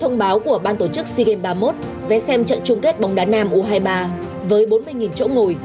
thông báo của ban tổ chức sea games ba mươi một vé xem trận chung kết bóng đá nam u hai mươi ba với bốn mươi chỗ ngồi